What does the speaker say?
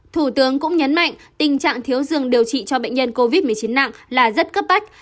thủ tướng cũng nhấn mạnh tình trạng thiếu dường điều trị cho bệnh nhân covid một mươi chín nặng là rất cấp bách